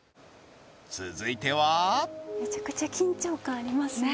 続いてはめちゃくちゃ緊張感ありますね